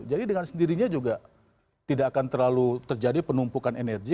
jadi dengan sendirinya juga tidak akan terlalu terjadi penumpukan energi